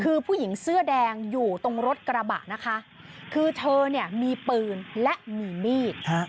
คือผู้หญิงเสื้อแดงอยู่ตรงรถกระบะนะคะคือเธอเนี่ยมีปืนและมีมีดฮะ